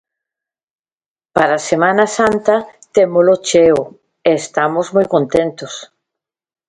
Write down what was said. Para Semana Santa témolo cheo, e estamos moi contentos.